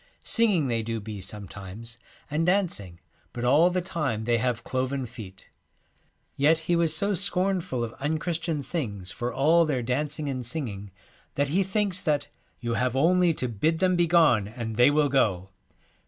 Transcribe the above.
Singing they do be sometimes, and dancing, but all the time they have cloven feet.' Yet he was so scornful of unchristian things for all their dancing and singing 75 The that he thinks that ' you have only to bid Twilight, them begone and they will go.